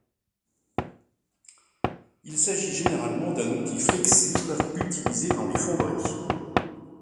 Il s'agit généralement d'un outil flexible utilisé dans les fonderies.